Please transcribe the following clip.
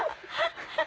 ハハハ！